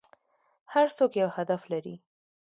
هر څوک یو هدف لري .